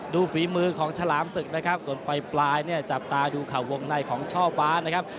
ฝีมือของฉลามศึกนะครับส่วนปลายเนี่ยจับตาดูข่าววงในของช่อฟ้านะครับ